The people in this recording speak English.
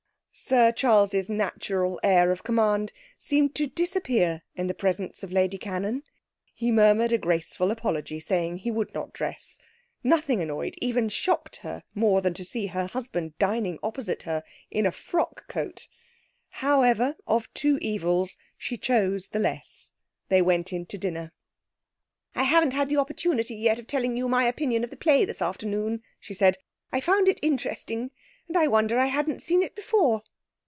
Sir Charles's natural air of command seemed to disappear in the presence of Lady Cannon. He murmured a graceful apology, saying he would not dress. Nothing annoyed, even shocked her more than to see her husband dining opposite her in a frock coat. However, of two evils she chose the less. They went in to dinner. 'I haven't had the opportunity yet of telling you my opinion of the play this afternoon,' she said. 'I found it interesting, and I wonder I hadn't seen it before.'